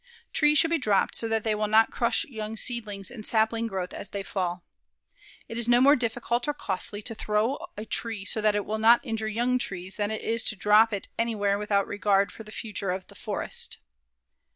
Trees should be dropped so that they will not crush young seedlings and sapling growth as they fall. It is no more difficult or costly to throw a tree so that it will not injure young trees than it is to drop it anywhere without regard for the future of the forest.